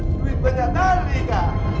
duit banyak sekali kak